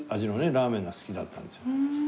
ラーメンが好きだったんですよ。